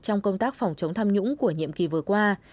trong công tác phòng chống tham nhũng của nhiệm kỳ vừa qua